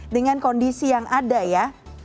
dengan kondisi yang ada ya